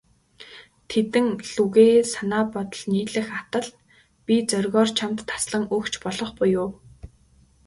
Тэдэн лүгээ санаа бодол нийлэх атал, би зоригоор чамд таслан өгч болох буюу.